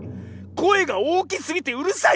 こえがおおきすぎてうるさい？